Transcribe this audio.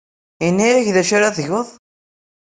Yenna-ak d acu ara tgeḍ?